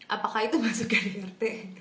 apakah itu masuk ke drt